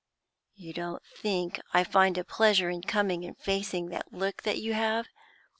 You don't think I find a pleasure in coming and facing that look you have?